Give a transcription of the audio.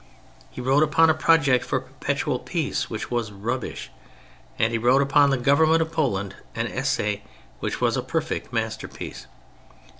He wrote upon a project for perpetual peace, which was rubbish; and he wrote upon the govern ment of Poland an essay which was a perfect masterpiece.